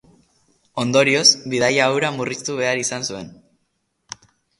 Ondorioz, bidaia hura murriztu behar izan zuen.